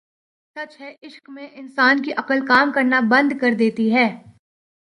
سچ ہے عشق میں انسان کی عقل کام کرنا بند کر دیتی ہے